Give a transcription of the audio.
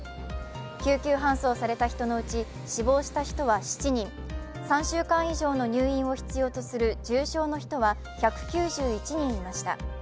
救急搬送された人のうち死亡した人は７人、３週間以上の入院を必要とする重症の人は１９１人いました。